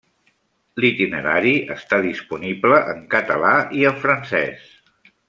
L'itinerari està disponible en català i en francès.